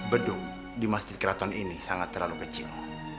bedung di masjid keraton ini sangat terlalu kecil